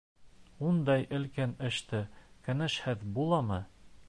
Ундай өлкән эштә кәңәшһеҙ буламы?